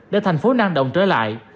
để thành phố năng động trở lại